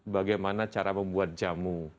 bagaimana cara membuat jamu